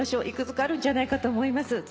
いくつかあるんじゃないかと思います。